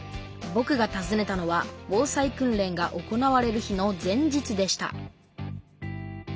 ぼくがたずねたのは防災訓練が行われる日の前日でした。